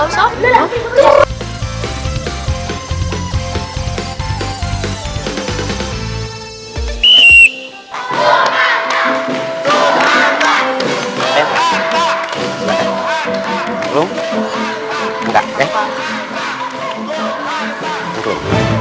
sendalanya mana sendalanya